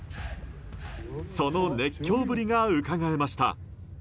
その熱狂ぶりがうかがえました。